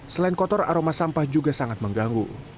selain kotor aroma sampah juga sangat mengganggu